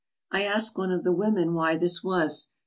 I asked one of the women why this was.